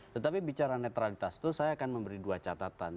tetapi bicara netralitas itu saya akan memberi dua catatan